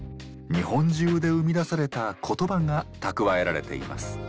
日本中で生み出された「言葉」が蓄えられています。